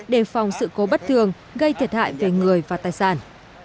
đề phòng sự cố bất thường gây thiệt hại về người và tài sản